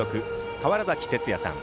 川原崎哲也さん。